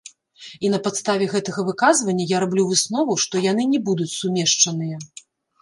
І на падставе гэтага выказвання я раблю выснову, што яны не будуць сумешчаныя.